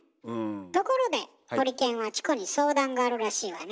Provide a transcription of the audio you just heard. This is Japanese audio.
ところでホリケンはチコに相談があるらしいわね。